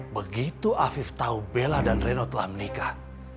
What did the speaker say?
begitu afif tahu bella dan reno telah menikah